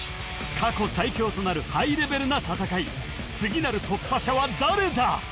過去最強となるハイレベルな戦い次なる突破者は誰だ？